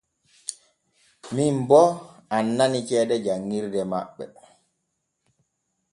Min boo annani ceede janŋirde maɓɓe.